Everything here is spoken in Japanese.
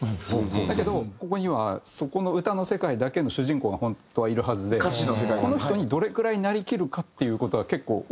だけどここにはそこの歌の世界だけの主人公が本当はいるはずでこの人にどれくらいなりきるかっていう事が結構大きく違くて。